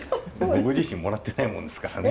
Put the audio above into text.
僕自身もらってないものですからね。